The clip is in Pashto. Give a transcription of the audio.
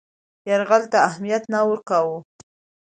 یرغل ته اهمیت نه ورکاوه.